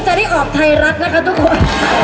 จะได้ออกไทยรัฐนะคะทุกคน